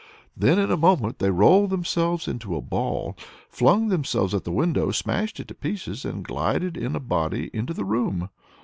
Then in a moment they rolled themselves into a ball, flung themselves at the window, smashed it to pieces, and glided in a body into the room.